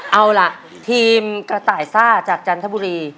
เอาล่ะทีมกระต่ายซ่าจากจันทบุรี